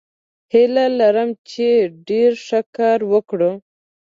هیله لرم چې ډیر ښه کار وکړو.